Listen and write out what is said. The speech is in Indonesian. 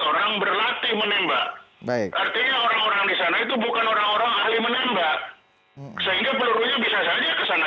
sehingga pelurunya bisa saja kesana kemari